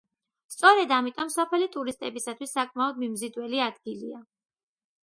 სწორედ ამიტომ სოფელი ტურისტებისათვის საკმაოდ მიმზიდველი ადგილია.